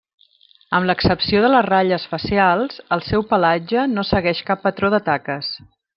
Amb l'excepció de les ratlles facials, el seu pelatge no segueix cap patró de taques.